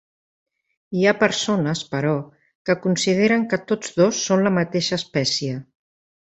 Hi ha persones, però, que consideren que tots dos són la mateixa espècie.